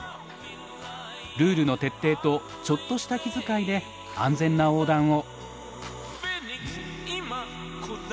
ルールの徹底とちょっとした気遣いで安全な横断を。